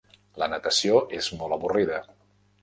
La natació és molt avorrida.